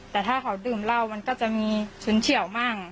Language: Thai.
แต่ถ้าเขาดื่มเหล้ามันก็จะมีชุนเฉียวมั่ง